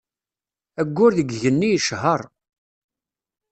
Ayyur deg yigenni yecher.